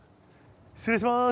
失礼します。